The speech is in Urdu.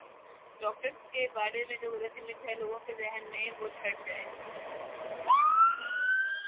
ڈاکٹرز کے بارے میں جو غلط امیج ہے لوگوں کے ذہنوں میں وہ چھٹ جائے